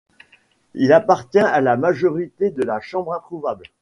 Il appartient à la majorité de la Chambre introuvable.